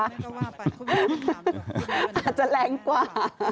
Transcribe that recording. อาจจะแรงกว่า